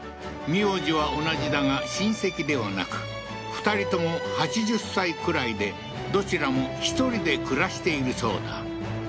名字は同じだが親戚ではなく２人とも８０歳くらいでどちらも１人で暮らしているそうだ